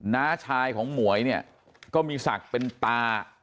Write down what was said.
น้าชายของหมวยเนี่ยก็มีศักดิ์เป็นตา